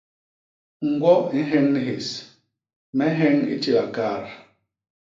Ñgwo i nheñ ni hés; me nheñ i tila kaat.